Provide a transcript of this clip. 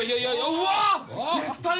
うわ！